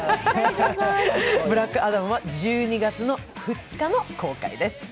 「ブラックアダム」は１２月２日の公開です。